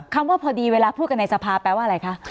ว่าพอดีเวลาพูดกันในสภาแปลว่าอะไรคะ